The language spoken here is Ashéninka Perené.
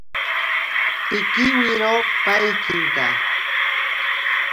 Pikiwiro paikinta.